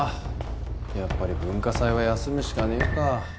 やっぱり文化祭は休むしかねえか。